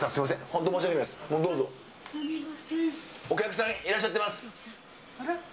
お客さんいらっしゃってます。